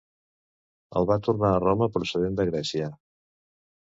El va tornar a Roma procedent de Grècia.